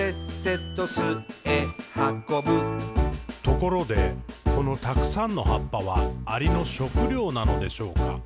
「ところで、このたくさんの葉っぱは、アリの食料なのでしょうか？